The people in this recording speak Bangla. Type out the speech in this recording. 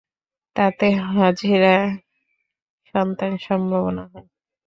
তাতে হাজেরা সন্তান-সম্ভবা হন।